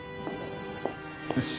よし。